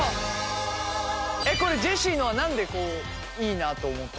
えっこれジェシーのは何でいいなと思ったんですか？